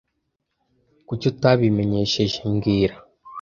Kuki utabimenyesheje mbwira